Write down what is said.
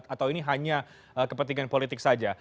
atau ini hanya kepentingan politik saja